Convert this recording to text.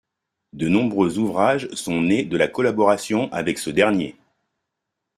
De nombreux ouvrages sont nés de la collaboration avec ce dernier.